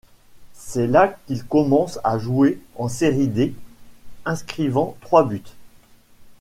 C'est là qu'il commence à jouer en Série D, inscrivant trois buts.